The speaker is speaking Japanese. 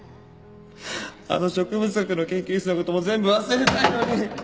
あの植物学の研究室の事も全部忘れたいのに！